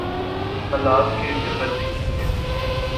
حالات کا جبر دیکھیے۔